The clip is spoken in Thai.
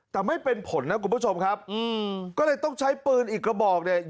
แต่ไม่เป็นผลนะคุณผู้ชมครับก็เลยต้องใช้ปืนอีกกระบอกเนี่ย